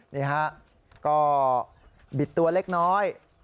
นี่ฮะก็บิดตัวเล็กน้อย